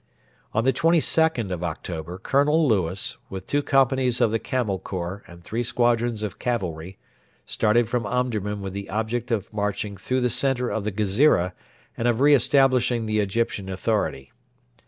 On the 22nd of October Colonel Lewis, with two companies of the Camel Corps and three squadrons of cavalry, started from Omdurman with the object of marching through the centre of the Ghezira and of re establishing the Egyptian authority.